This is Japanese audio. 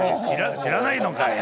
知らないのかよ。